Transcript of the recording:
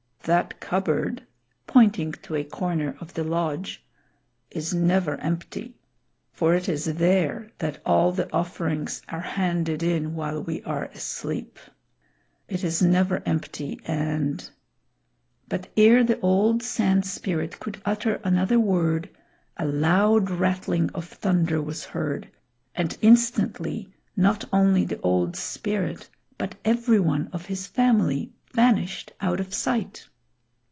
That cupboard," pointing to a corner of the lodge, "is never empty; for it is there that all the offerings are handed in while we are asleep. It is never empty, and " But ere the old Sand Spirit could utter another word, a loud rattling of thunder was heard, and instantly not only the Old Spirit but every one of his family vanished out of sight.